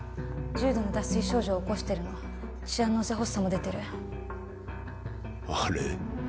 重度の脱水症状を起こしてるのチアノーゼ発作も出てるあれ？